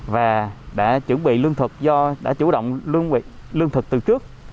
và đã chuẩn bị lương thực do đã chủ động lương thực từ trước